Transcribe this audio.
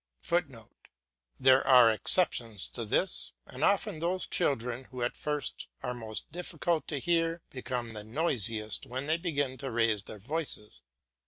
[Footnote: There are exceptions to this; and often those children who at first are most difficult to hear, become the noisiest when they begin to raise their voices.